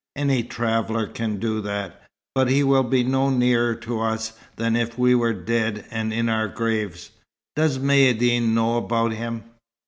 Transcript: Any traveller can do that. But he will be no nearer to us, than if we were dead and in our graves. Does Maïeddine know about him?"